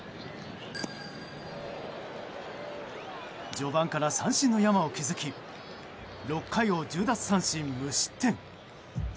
序盤から三振の山を築き６回を１０奪三振無失点。